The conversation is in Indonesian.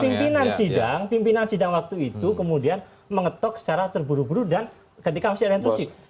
pimpinan sidang pimpinan sidang waktu itu kemudian mengetok secara terburu buru dan ketika masih ada intensif